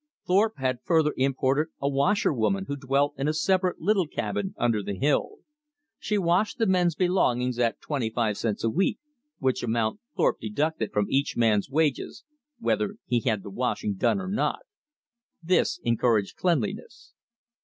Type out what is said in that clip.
Thorpe had further imported a washerwoman who dwelt in a separate little cabin under the hill. She washed the men's belongings at twenty five cents a week, which amount Thorpe deducted from each man's wages, whether he had the washing done or not. This encouraged cleanliness.